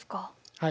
はい。